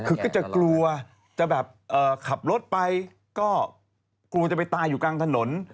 คือก็จะกลัวจะแบบขับรถไปก็กลัวจะไปตายอยู่กลางถนน